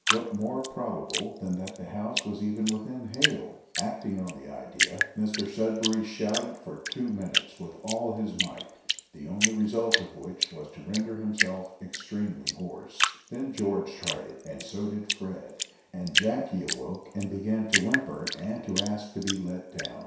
What more probable than that the house was even then within hail? Acting on the idea, Mr Sudberry shouted for two minutes with all his might, the only result of which was to render himself extremely hoarse. Then George tried it, and so did Fred, and Jacky awoke and began to whimper and to ask to be let down.